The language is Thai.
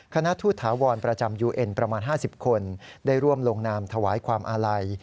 คณะทูตถาวรประจำยูเอ็นประมาณ๕๐คนได้ร่วมลงนามถวายความอาลัย